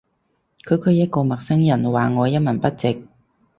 區區一個陌生人話我一文不值